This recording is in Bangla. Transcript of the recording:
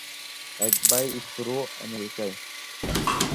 এক ভাই, স্পিরো, আমেরিকায়।